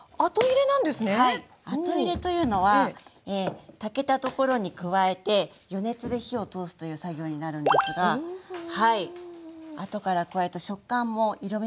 後入れというのは炊けたところに加えて余熱で火を通すという作業になるのですがはいあとから加えると食感も色みも良くなるんですね。